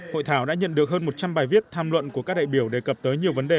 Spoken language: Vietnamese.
hội thảo đã nhận được hơn một trăm linh bài viết tham luận của các đại biểu đề cập tới nhiều vấn đề